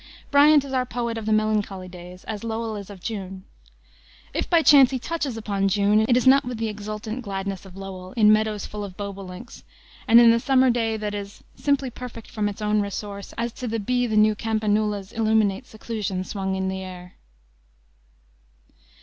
Bryant is our poet of "the melancholy days," as Lowell is of June. If, by chance, he touches upon June, it is not with the exultant gladness of Lowell in meadows full of bobolinks, and in the summer day that is " simply perfect from its own resource As to the bee the new campanula's Illuminate seclusion swung in air."